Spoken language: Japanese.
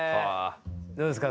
どうですか？